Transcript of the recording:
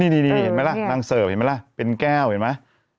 ดีเห็นมั้ยล่ะนางเสิร์ฟเห็นมั้ยล่ะเป็นแก้วเห็นมั้ย